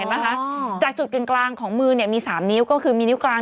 เห็นไหมคะจากจุดกลางของมือเนี้ยมีสามนิ้วก็คือมีนิ้วกลาง